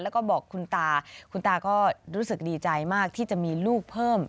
แล้วก็บอกคุณตาคุณตาก็รู้สึกดีใจมากที่จะมีลูกเพิ่ม